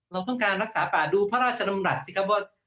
เราต้องการรักษาป่าดูพระราชดำรัฐสิครับว่า